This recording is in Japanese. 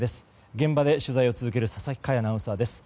現場で取材を続ける佐々木快アナウンサーです。